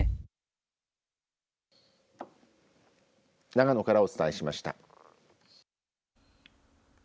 長野からお伝えしました。